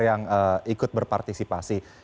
yang ikut berpartisipasi